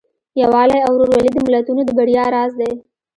یووالی او ورورولي د ملتونو د بریا راز دی.